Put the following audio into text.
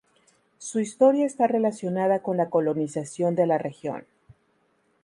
Su historia está relacionada con la colonización de la región.